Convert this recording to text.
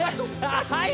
はい。